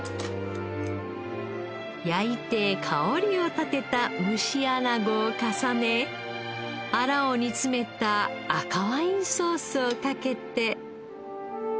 焼いて香りを立てた蒸しアナゴを重ねあらを煮詰めた赤ワインソースをかけて。